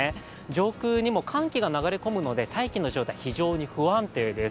上空にも寒気が流れ込むので大気の状態、非常に不安定です。